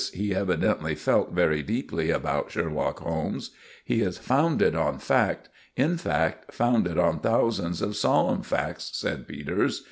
He evidently felt very deeply about Sherlock Holmes. "He is founded on fact—in fact, founded on thousands of solemn facts," said Peters.